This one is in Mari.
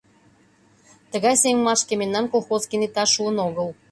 Тыгай сеҥымашке мемнан колхоз кенета шуын огыл.